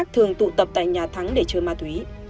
thường tụ tập tại nhà thắng để chơi ma túy